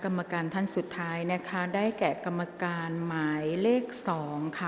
กรรมการท่านที่สองได้แก่กรรมการใหม่เลขหนึ่งค่ะ